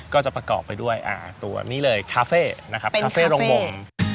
ก็จะประกอบไปด้วยตัวนี้เลยคาเฟ่นะครับคาเฟ่โรงบง